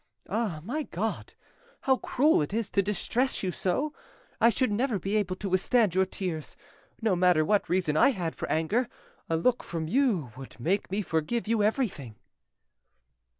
Ah, my God! how cruel it is to distress you so! I should never be able to withstand your tears; no matter what reason I had for anger, a look from you would make me forgive you everything."